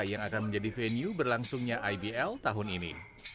yang akan menjadi venue berlangsungnya ibl tahun ini